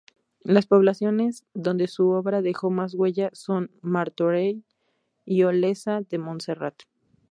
Las poblaciones donde su obra dejó más huella son Martorell y Olesa de Montserrat.